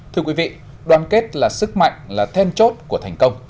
thưa quý vị đoàn kết là sức mạnh là then chốt của thành công